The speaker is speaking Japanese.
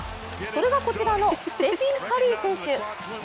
それが、こちらのステフィン・カリー選手。